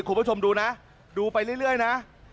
คุณผู้ชมดูนะดูไปเรื่อยนะ